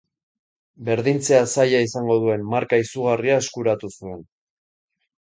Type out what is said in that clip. Berdintzea zaila izango duen marka izugarria eskuratu zuen.